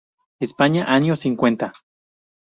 España, años cincuenta.